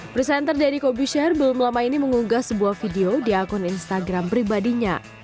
presenter dedy kobusyar belum lama ini mengunggah sebuah video di akun instagram pribadinya